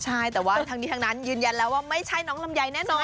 ใช่แต่ว่าทั้งนี้ทั้งนั้นยืนยันแล้วว่าไม่ใช่น้องลำไยแน่นอน